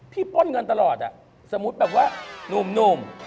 ป้นเงินตลอดสมมุติแบบว่าหนุ่ม